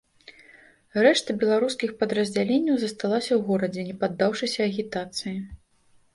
Рэшта беларускіх падраздзяленняў засталася ў горадзе, не паддаўшыся агітацыі.